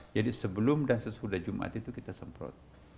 jadi sebelum dan sesudah jumat itu kita semprot